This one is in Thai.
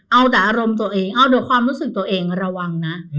เอาแต่อารมณ์ตัวเองเอาเดี๋ยวความรู้สึกตัวเองระวังนะ